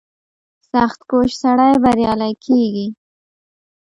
• سختکوش سړی بریالی کېږي.